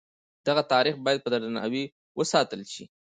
دغه تاریخ باید په درناوي وساتل شي.